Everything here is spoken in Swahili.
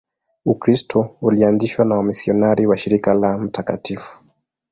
Ukristo ulianzishwa na wamisionari wa Shirika la Mt.